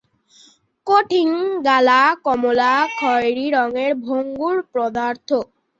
কঠিন গালা কমলা/খয়েরী রঙের ভঙ্গুর পদার্থ।